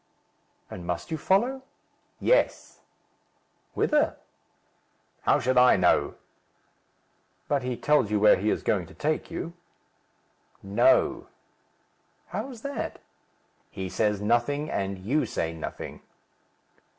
"And must you follow?" "Yes." "Whither?" "How should I know?" "But he tells you where he is going to take you?" "No." "How is that?" "He says nothing, and you say nothing."